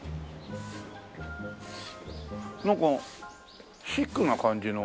なんかシックな感じの。